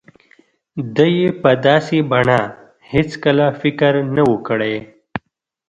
ده يې په داسې بڼه هېڅکله فکر نه و کړی.